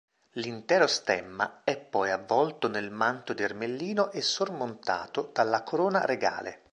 L'intero stemma è poi avvolto nel manto di ermellino e sormontato dalla corona regale.